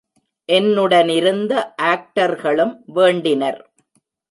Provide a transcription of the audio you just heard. என்னுடனிருந்த ஆக்டர்களும் வேண்டினர்.